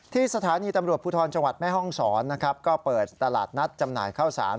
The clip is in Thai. ที่สถานีตำรวจภูทรจังหวัดแม่ห้องศรนะครับก็เปิดตลาดนัดจำหน่ายข้าวสาร